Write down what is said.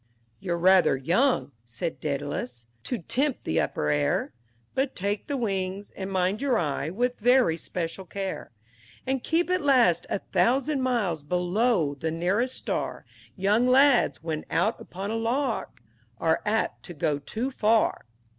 VIII "You're rather young," said Dædalus, "to tempt the upper air; But take the wings, and mind your eye with very special care; And keep at least a thousand miles below the nearest star; Young lads, when out upon a lark, are apt to go too far!"